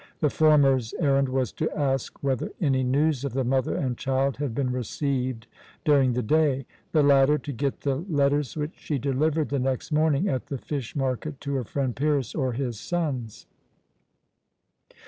The former's errand was to ask whether any news of the mother and child had been received during the day; the latter, to get the letters which she delivered the next morning at the fish market to her friend Pyrrhus or his sons.